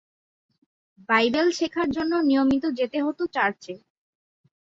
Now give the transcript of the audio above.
Bible শেখার জন্য নিয়মিত যেতে হতো চার্চে।